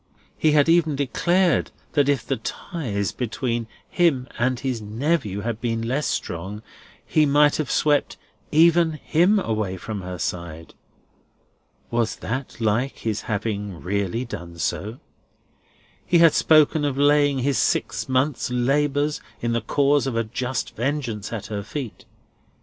He had even declared that if the ties between him and his nephew had been less strong, he might have swept "even him" away from her side. Was that like his having really done so? He had spoken of laying his six months' labours in the cause of a just vengeance at her feet.